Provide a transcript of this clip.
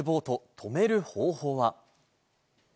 止める方法は？